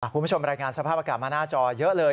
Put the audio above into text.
คุณผู้ชมรายงานสภาพอากาศมาหน้าจอเยอะเลย